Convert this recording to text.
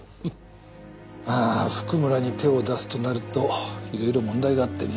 ああ譜久村に手を出すとなると色々問題があってね。